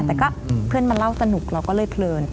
แต่ก็เพื่อนมาเล่าสนุกเราก็เลยเพลิน